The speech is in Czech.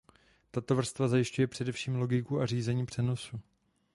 Tato vrstva zajišťuje především logiku a řízení přenosu.